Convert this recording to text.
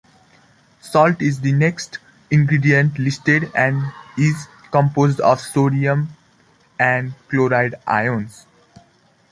Salt is the next ingredient listed and is composed of sodium and chloride ions.